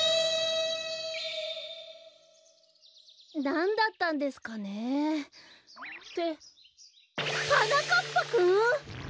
なんだったんですかねってはなかっぱくん！？